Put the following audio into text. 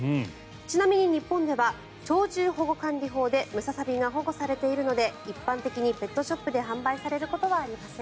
ちなみに日本では鳥獣保護管理法でムササビが保護されているので一般的にペットショップで販売されることはありません。